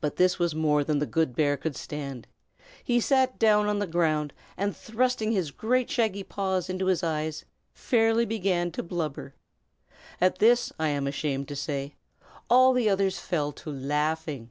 But this was more than the good bear could stand. He sat down on the ground, and thrusting his great shaggy paws into his eyes, fairly began to blubber. At this, I am ashamed to say, all the others fell to laughing.